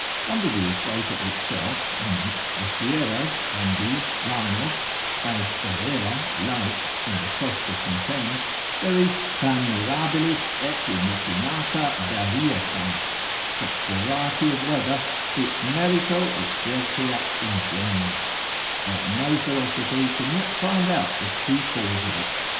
Under the equator itself, amongst the Sierras, Andes, Lanos, as Herrera, Laet, and Acosta contend, there is tam mirabilis et inopinata varietas, such variety of weather, ut merito exerceat ingenia, that no philosophy can yet find out the true cause of it.